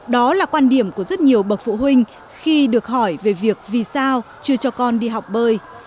đó là quan điểm của rất nhiều bậc phụ huynh khi được hỏi về việc vì sao chưa cho con đi học bơi